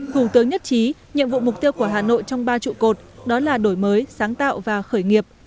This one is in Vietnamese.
thủ tướng nhất trí nhiệm vụ mục tiêu của hà nội trong ba trụ cột đó là đổi mới sáng tạo và khởi nghiệp